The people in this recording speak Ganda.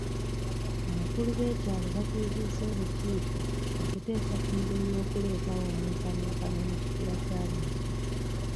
Abakulu b'ekyalo batuuzizza olukiiko okuteesa ku ngeri y'okuleetawo omwenkanonkano mu kikula ky'abantu .